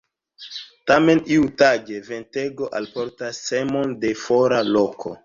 Tamen iutage, ventego alportas semon de fora loko.